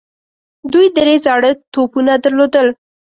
دوی درې زاړه توپونه درلودل.